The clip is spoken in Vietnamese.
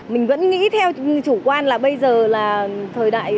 mình vẫn nghĩ theo chủ quan là bây giờ là thời đại